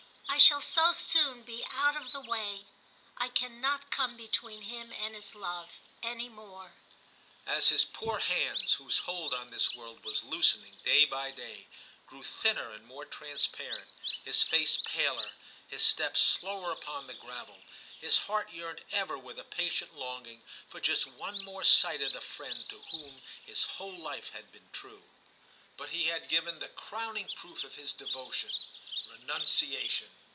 I shall so soon be out of the way ; I cannot come between him and his love any more/ As his poor hands, whose hold on this world was loosening day by day, grew thinner and more transparent, his face paler, his step slower upon the gravel, his heart yearned ever with a patient longing for just one more sight of the friend to whom his whole life had been true. But he had given 300 TIM CHAP. the crowning proof of his devotion — renun ciation.